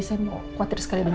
saya mau khawatir sekali dengan